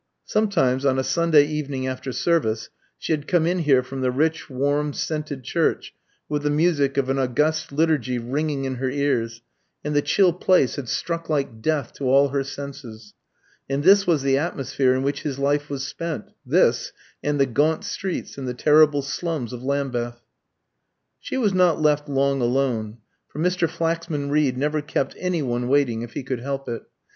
Sometimes, on a Sunday evening after service, she had come in here from the rich, warm, scented church, with the music of an august liturgy ringing in her ears, and the chill place had struck like death to all her senses. And this was the atmosphere in which his life was spent this, and the gaunt streets and the terrible slums of Lambeth. She was not left long alone, for Mr. Flaxman Reed never kept any one waiting if he could help it.